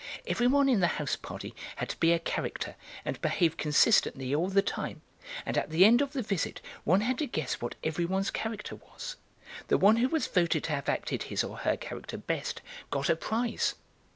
Every one in the house party had to be a character and behave consistently all the time, and at the end of the visit one had to guess what every one's character was. The one who was voted to have acted his or her character best got a prize."